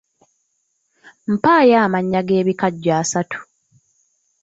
Mpaayo amannya g'ebikajjo asatu